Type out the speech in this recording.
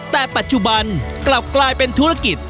แต่ปัจจุบันกลับกลายเป็นธุรกิจ